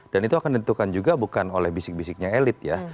dan itu akan ditentukan juga bukan oleh bisik bisiknya elit ya